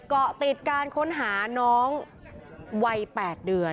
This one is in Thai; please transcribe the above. เกาะติดการค้นหาน้องวัย๘เดือน